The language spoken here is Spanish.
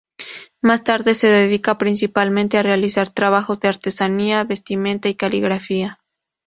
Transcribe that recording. Más tarde se dedica principalmente a realizar trabajos de artesanía, vestimenta y caligrafía.